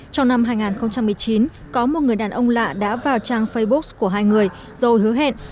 trong năm hai nghìn một mươi chín có một người đàn ông lạ đã vào trang facebook của hai người rồi hứa hẹn